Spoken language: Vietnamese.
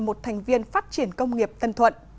một thành viên phát triển công nghiệp tân thuận